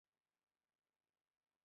Su autonomía en el cargo fue limitada.